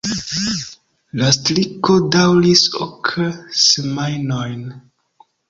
La striko daŭris ok semajnojn.